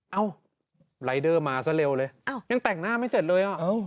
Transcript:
เอ้ารายเดอร์มาซะเร็วเลยยังแต่งหน้าไม่เสร็จเลยอ่ะ